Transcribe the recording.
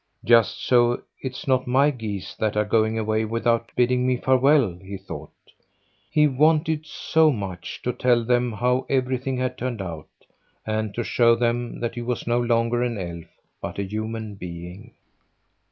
"Just so it's not my geese that are going away without bidding me farewell," he thought. He wanted so much to tell them how everything had turned out, and to show them that he was no longer an elf but a human being.